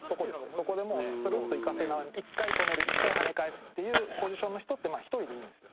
そこでもうスルッといかせない１回止める１回はね返すっていうポジションの人って１人でいいんですよ。